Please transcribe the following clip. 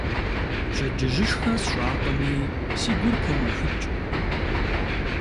Пщэдджыжьышхэ сщӀакъыми, си гур помэхыкӀ.